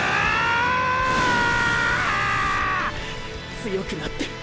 強くなってる。